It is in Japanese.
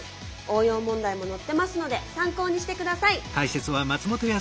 応用問題も載ってますので参考にして下さい！